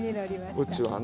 うちはね。